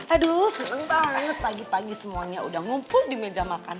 aduh seneng banget pagi pagi semuanya udah ngumpul di meja makan